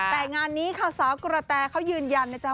แต่งานนี้ค่ะสาวกระแตเขายืนยันนะจ๊ะ